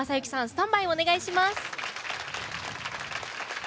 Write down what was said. スタンバイをお願いします。